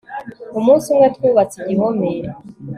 umunsi umwe twubatse igihome